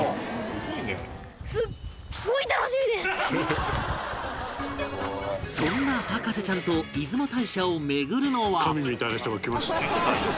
「すごい」そんな博士ちゃんと出雲大社を巡るのは